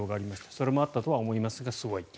それもあったとは思いますがすごい。